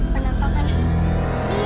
penampakan ibu kak bella